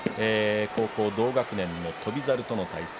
高校同学年の翔猿との対戦。